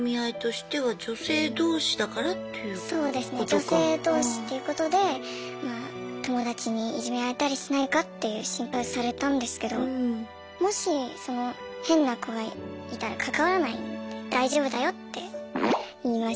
女性どうしっていうことで友達にいじめられたりしないかっていう心配をされたんですけどもし変な子がいたら関わらないんで大丈夫だよって言いましたね。